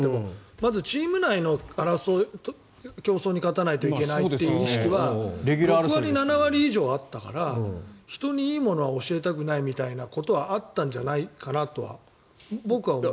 まずチーム内の競争に勝たないといけないという意識は６割、７割以上はあったから人にいいものは教えたくないみたいなのはあったんじゃないかなとは僕は思う。